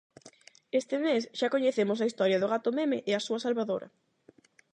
Este mes xa coñecemos a historia do gato meme e a súa salvadora.